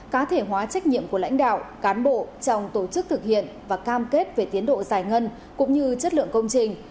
cá thể hóa trách nhiệm của lãnh đạo cán bộ trong tổ chức thực hiện và cam kết về tiến độ giải ngân cũng như chất lượng công trình